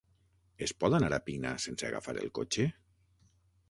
Es pot anar a Pina sense agafar el cotxe?